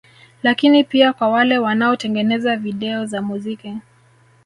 Lakini pia kwa wale wanaotengeneza Video za muziki